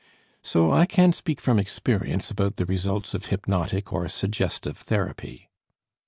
So I can speak from experience about the results of hypnotic or suggestive therapy.